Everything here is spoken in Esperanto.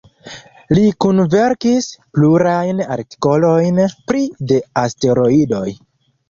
Li kunverkis plurajn artikolojn pri de asteroidoj.